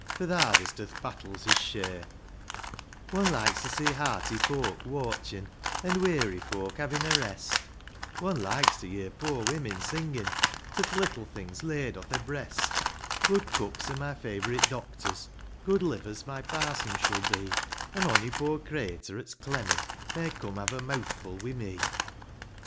GOD BLESS THESE POOR FOLK. 1$ One likes to see hearty folk wortchin', An' weary folk havin' a rest ; One likes to yer poor women singin' To th' little things laid o' their breast : Good cooks are my favourite doctors ; Good livers my parsons shall be ; An' ony poor craytur 'at's clemmin',' May come have a meawthful wi' me.